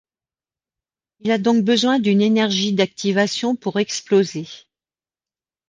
Il a donc besoin d'une énergie d'activation pour exploser.